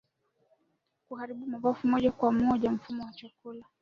kuharibu mapafu moja kwa mojaMfumo wa chakula